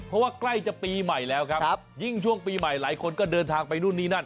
เพราะว่าใกล้จะปีใหม่แล้วครับยิ่งช่วงปีใหม่หลายคนก็เดินทางไปนู่นนี่นั่น